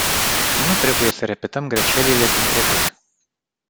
Nu trebuie să repetăm greșelile din trecut.